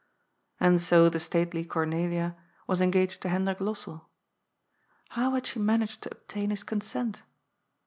And so the stately Cornelia was engaged to Hendrik Lossell. How had she managed to obtain his consent?